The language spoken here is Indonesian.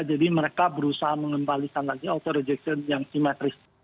mereka berusaha mengembalikan lagi auto rejection yang simetris